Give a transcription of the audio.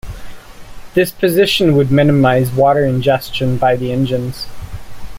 This position would minimize water ingestion by the engines.